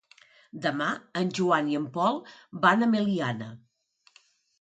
Demà en Joan i en Pol van a Meliana.